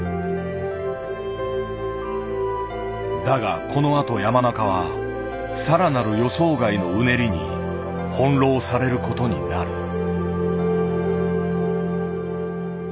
だがこのあと山中は更なる予想外のうねりに翻弄される事になる。